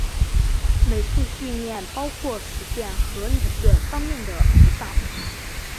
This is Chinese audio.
美术训练包括实践和理论方面的指导。